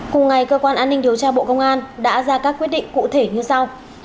cùng ngày cơ quan an ninh điều tra bộ công an đã ra các quyết định cụ thể như sau